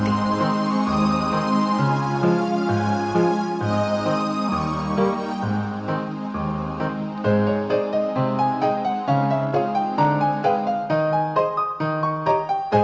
terima kasih inipc tejaka rose